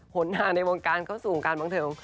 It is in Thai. หล่อนางด์ในโลงการเข้าสูุ่งการประงสิน